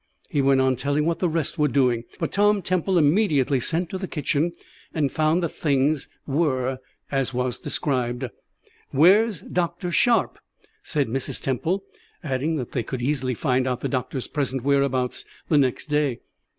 He went on telling what the rest were doing; but Tom Temple immediately sent to the kitchen, and found that things were as was described. "Where's Dr. Sharp?" said Mrs. Temple, adding that they could easily find out the doctor's present whereabouts the next day.